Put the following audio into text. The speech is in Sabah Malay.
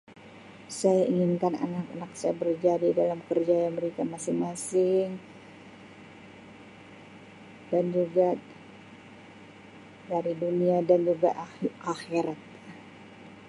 Saya inginkan anak-anak saya berjaya di dalam kerjaya mereka masing-masing dan juga dari dunia dan juga akhi-akhirat.